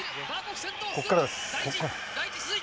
ここからです。